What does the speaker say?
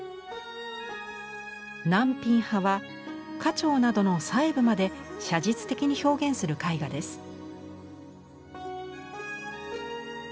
南蘋派は花鳥などの細部まで写実的に表現する絵画です。